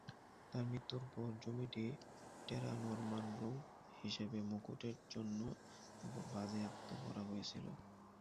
তার মৃত্যুর পর, জমিটি "টেরা নর্মানরুম" হিসাবে মুকুটের জন্য বাজেয়াপ্ত করা হয়েছিল।